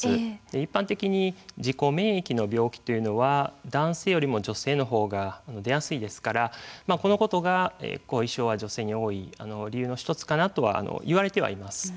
一般的に自己免疫の病気というのは男性よりも女性のほうが出やすいですからこのことが後遺症は女性に多い理由の１つかなとはいわれてはいます。